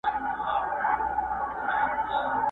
نه لحاظ کړي د قاضیانو کوټوالانو!!